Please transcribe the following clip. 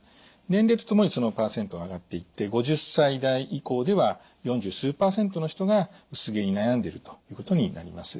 年齢とともにその％は上がっていって５０歳代以降では四十数％の人が薄毛に悩んでいるということになります。